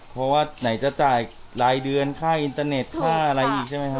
เพราะว่าไหนจะจ่ายรายเดือนค่าอินเตอร์เน็ตค่าอะไรอีกใช่ไหมครับ